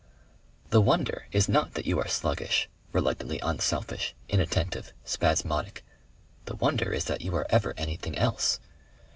"The wonder is not that you are sluggish, reluctantly unselfish, inattentive, spasmodic. The wonder is that you are ever anything else....